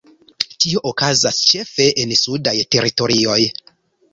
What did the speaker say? Tio okazas ĉefe en sudaj teritorioj.